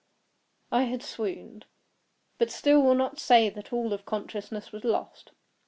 I had swooned; but still will not say that all of consciousness was lost.